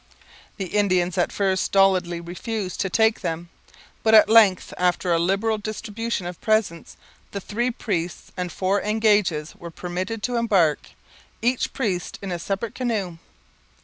The Indians at first stolidly refused to take them; but at length, after a liberal distribution of presents, the three priests and four engages were permitted to embark, each priest in a separate canoe.